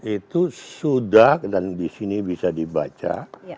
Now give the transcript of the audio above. itu sudah dan di sini bisa dibaca